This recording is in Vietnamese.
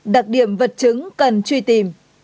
đặc điểm vật chứng cần truy tìm